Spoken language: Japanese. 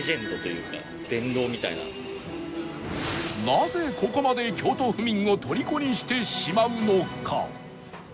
なぜここまで京都府民を虜にしてしまうのか？